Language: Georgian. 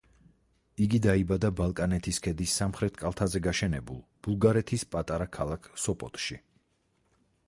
იგი დაიბადა ბალკანეთის ქედის სამხრეთ კალთაზე გაშენებულ ბულგარეთის პატარა ქალაქ სოპოტში.